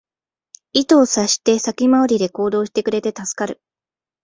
意図を察して先回りで行動してくれて助かる